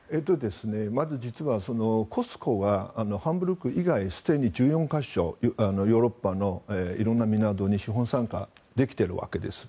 まず実はＣＯＳＣＯがハンブルク以外すでに１４か所ヨーロッパの色んな港に資本参加できているわけです。